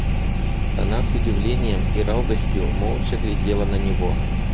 Она с удивлением и робостью молча глядела на него.